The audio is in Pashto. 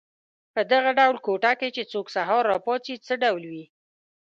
په دغه ډول کوټه کې چې څوک سهار را پاڅي څه ډول وي.